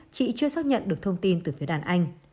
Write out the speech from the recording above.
chị chưa xác nhận được thông tin từ phía đàn anh